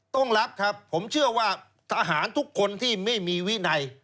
ต้องรับครับผมเชื่อว่าทหารทุกคนที่ไม่มีวินัย